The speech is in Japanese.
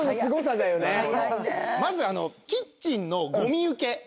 まずキッチンのゴミ受け。